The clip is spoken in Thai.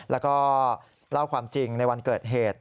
แล้วก็เล่าความจริงในวันเกิดเหตุ